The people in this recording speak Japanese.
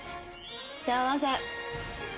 幸せ！